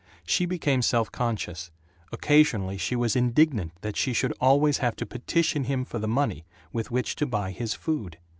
She became self conscious; occasionally she was indignant that she should always have to petition him for the money with which to buy his food.